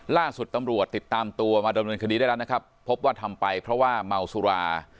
ล่าสุดตำรวจติดตามตัวมาดำเนินคดีได้แล้วนะครับพบว่าทำไปเพราะว่าเมาสุรา